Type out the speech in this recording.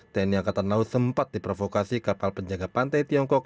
tni angkatan laut sempat diprovokasi kapal penjaga pantai tiongkok